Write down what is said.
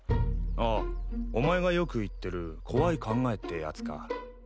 ああお前がよく言ってる怖い考えってやつか。